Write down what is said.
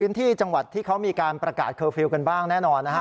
ที่จังหวัดที่เขามีการประกาศเคอร์ฟิลล์กันบ้างแน่นอนนะฮะ